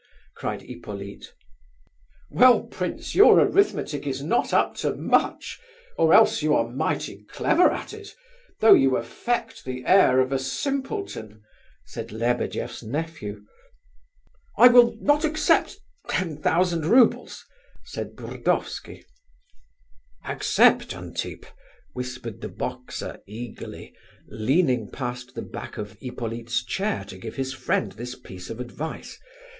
cried Hippolyte. "Well, prince, your arithmetic is not up to much, or else you are mighty clever at it, though you affect the air of a simpleton," said Lebedeff's nephew. "I will not accept ten thousand roubles," said Burdovsky. "Accept, Antip," whispered the boxer eagerly, leaning past the back of Hippolyte's chair to give his friend this piece of advice.